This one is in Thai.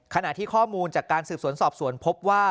ขณะที่ข้อมูลจากการสืบสวนสอบสวนพบว่า